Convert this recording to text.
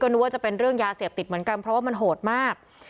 นึกว่าจะเป็นเรื่องยาเสพติดเหมือนกันเพราะว่ามันโหดมาก